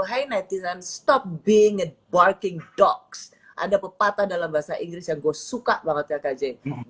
hey netizen stop being a barking dogs ada pepatah dalam bahasa inggris yang gua suka banget kakak j barking dogs don t bite